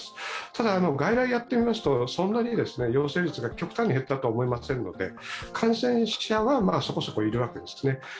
ただ、外来やっていますと、陽性率が極端に減ったとは思いませんので、感染者はそこそこいるわけですね。